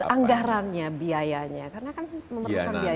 anggarannya biayanya karena kan memerlukan biaya yang cukup besar